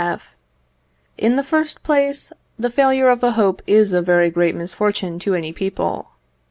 F. In the first place, the failure of a hope is a very great misfortune to any people.